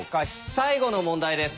最後の問題です。